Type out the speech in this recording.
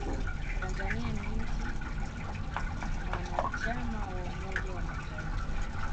tanzania ni nchi mwanachama wa umoja wa mataifa